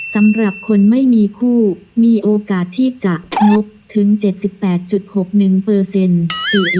สำหรับคนไม่มีคู่มีโอกาสที่จะมบถึงเจ็ดสิบแปดจุดหกหนึ่งเปอร์เซ็นต์